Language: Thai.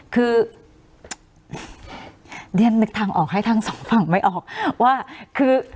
คือเรียนนึกทางออกให้ทั้งสองฝั่งไม่ออกว่าคือ